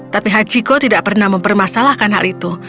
tapi hachiko tidak pernah mempermasalahkan hal itu